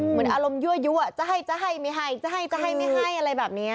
เหมือนอารมณ์ยั่วยุจะให้จะให้ไม่ให้จะให้จะให้ไม่ให้อะไรแบบนี้